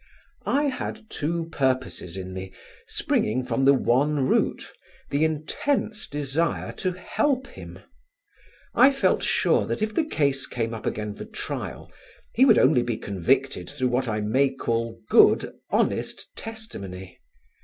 I had two purposes in me, springing from the one root, the intense desire to help him. I felt sure that if the case came up again for trial he would only be convicted through what I may call good, honest testimony.